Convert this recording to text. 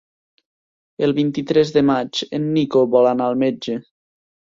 El vint-i-tres de maig en Nico vol anar al metge.